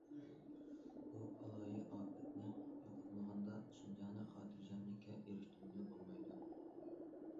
بۇ بالايىئاپەتنى يوقاتمىغاندا، شىنجاڭنى خاتىرجەملىككە ئېرىشتۈرگىلى بولمايدۇ.